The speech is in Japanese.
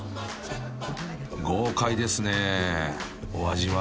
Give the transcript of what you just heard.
［豪快ですねお味は？］